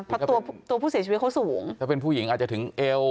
เพราะตัวตัวผู้เสียชีวิตเขาสูงถ้าเป็นผู้หญิงอาจจะถึงเอว